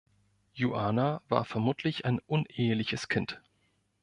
Juana war vermutlich ein uneheliches Kind.